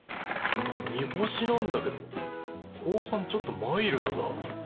煮干しなんだけど後半ちょっとマイルドだ。